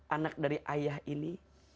anak dari ayah ini